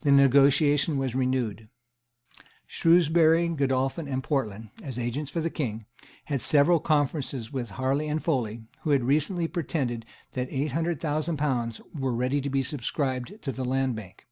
The negotiation was renewed. Shrewsbury, Godolphin and Portland, as agents for the King, had several conferences with Harley and Foley, who had recently pretended that eight hundred thousand pounds were ready to be subscribed to the Land Bank.